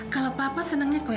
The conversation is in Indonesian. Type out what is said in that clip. kalau papa senangnya kue